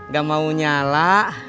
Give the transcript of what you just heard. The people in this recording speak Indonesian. gak mau nyala